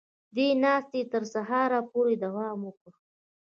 دې ناستې تر سهاره پورې دوام وکړ